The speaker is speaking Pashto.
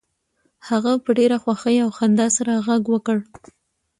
هغه په ډیره خوښۍ او خندا سره غږ وکړ